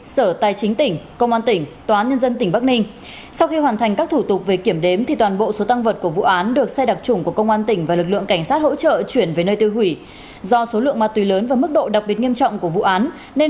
xin chào các bạn